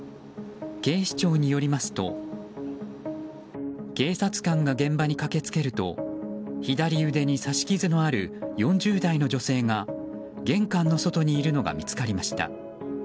警視庁によりますと警察官が現場に駆けつけると左腕に刺し傷のある４０代の女性が玄関の外にいるのが見つかりました。